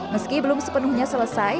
meski belum sepenuhnya selesai